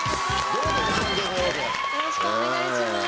よろしくお願いします。